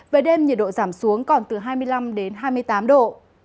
về đêm nhiệt độ giảm xuống còn từ hai mươi năm đến hai mươi tám độ